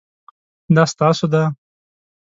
دا ستاسو دی؟